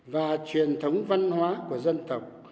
và truyền thống văn hóa của dân tộc